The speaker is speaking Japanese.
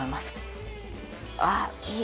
ああいい。